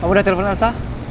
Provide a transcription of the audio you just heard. kamu udah telepon elsa